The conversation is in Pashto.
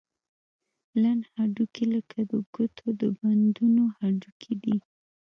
لنډ هډوکي لکه د ګوتو د بندونو هډوکي دي.